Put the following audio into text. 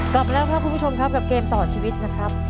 กลับแล้วครับคุณผู้ชมครับกับเกมต่อชีวิตนะครับ